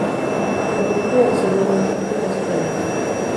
La película recibió buenas críticas en general.